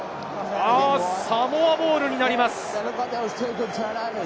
サモアボールになります。